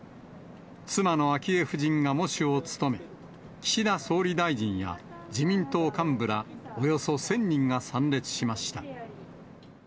妻の昭恵夫人が喪主を務め、岸田総理大臣や自民党幹部らおよそ１０００人が参列しました。